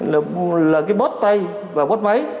là cái bot tay và bot máy